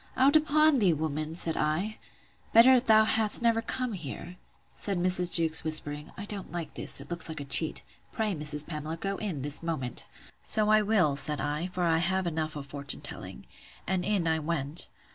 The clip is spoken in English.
Out upon thee, woman! said I, better thou hadst never come here. Said Mrs. Jewkes, whispering, I don't like this: it looks like a cheat: Pray, Mrs. Pamela, go in, this moment. So I will, said I; for I have enough of fortune telling. And in I went.